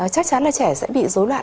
chắc chắn là trẻ sẽ bị dối loạn